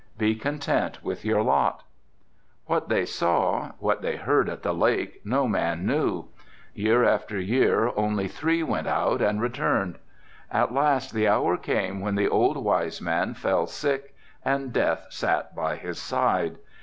"Be content with your lot." "What they saw, what they heard at the lake, no man knew. Year after year only three went out and returned. At last the hour came when the old wise man fell sick and death sat by his side.